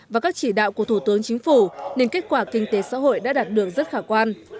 và các chỉ đạo của thủ tướng chính phủ nên kết quả kinh tế xã hội đã đạt được rất khả quan